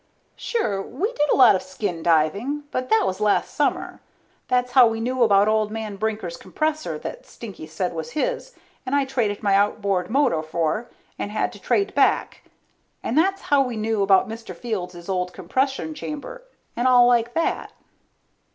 Sure, we did a lot of skin diving, but that was last summer. That's how we knew about old man Brinker's compressor that Stinky said was his and I traded my outboard motor for and had to trade back. And that's how we knew about Mr. Fields' old compression chamber, and all like that.